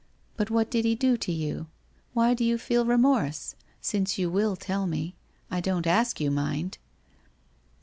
But what did he do to you ? Why do you feel remorse ? Since you will tell me. I don't ask you, mind